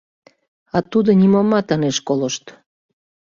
А тудо нимомат ынеж колышт...